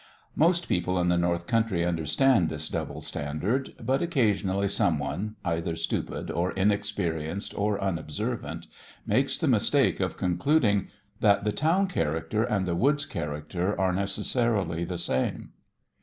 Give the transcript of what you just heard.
Most people in the North Country understand this double standard; but occasionally someone, either stupid or inexperienced or unobservant, makes the mistake of concluding that the town character and the woods character are necessarily the same.